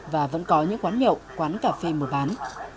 và vẫn có những quán nhậu quán cà phê mùa bán